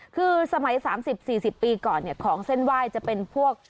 คือสมัย๓๐๔๐ปีก่อนของเส้นไหว้จะเป็นพวก